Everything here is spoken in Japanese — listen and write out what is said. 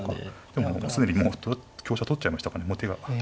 でも既にもう香車取っちゃいましたからねもう手が。